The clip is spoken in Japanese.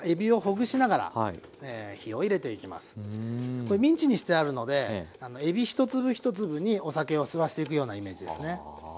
これミンチにしてあるのでえび一粒一粒にお酒を吸わせていくようなイメージですね。